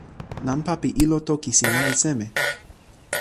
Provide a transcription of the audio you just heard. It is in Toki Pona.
nanpa pi ilo toki sina li seme?